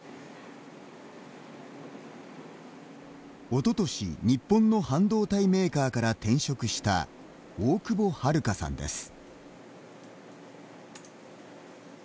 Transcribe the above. おととし、日本の半導体メーカーから転職した大久保晴加さんです。